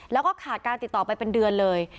แล้วก็ขาดการติดต่อไปเป็นเดือนเลย